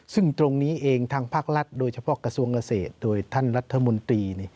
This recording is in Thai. ซึ่งตรงนี้เองทางภาครัฐโดยเฉพาะกระทรวงเกษตรโดยท่านรัฐมนตรี